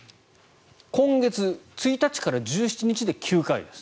今月、１日から１７日で９回です。